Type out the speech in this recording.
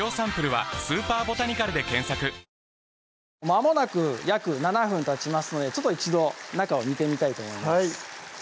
まもなく約７分たちますので一度中を見てみたいと思います